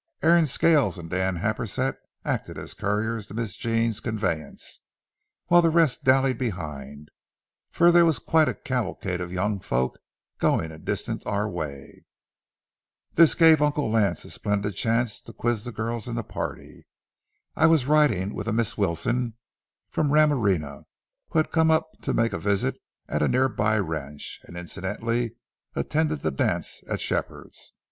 Aaron Scales and Dan Happersett acted as couriers to Miss Jean's conveyance, while the rest dallied behind, for there was quite a cavalcade of young folks going a distance our way. This gave Uncle Lance a splendid chance to quiz the girls in the party. I was riding with a Miss Wilson from Ramirena, who had come up to make a visit at a near by ranch and incidentally attend the dance at Shepherd's.